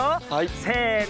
せの。